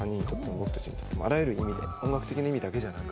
あらゆる意味で音楽的な意味だけじゃなく。